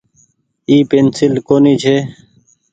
اي پينسيل ڪونيٚ ڇي۔